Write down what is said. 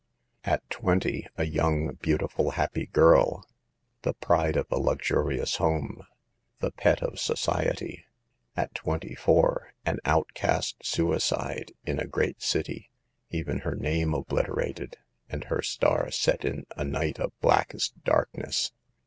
27 At twenty, a young, beautiful, happy girl, the pride of a luxurious home, the pet of so ciety ; at twenty four, an outcast suicide in a great city, even her name obliterated, and her star set in a night of blackest darkness